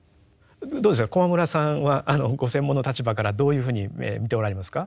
どうですか駒村さんはご専門の立場からどういうふうに見ておられますか？